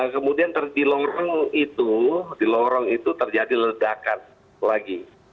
kemudian di lorong itu di lorong itu terjadi ledakan lagi